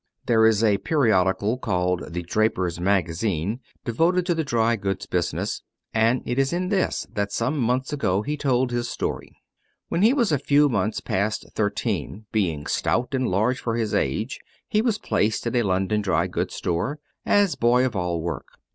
There is a periodical, called the "Draper's Magazine," devoted to the dry goods business, and it is in this that some months ago he told his story. When he was a few months past thirteen, being stout and large for his age, he was placed in a London dry goods store, as boy of all work.